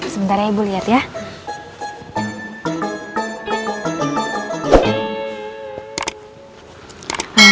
sebentar ya bu lihat ya